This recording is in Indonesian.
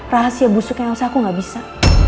rahasia busuknya elsa aku gak bisa